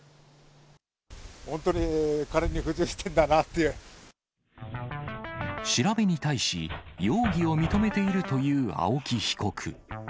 本当に金に不自由してんだな調べに対し、容疑を認めているという青木被告。